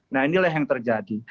nah ini lah yang terjadi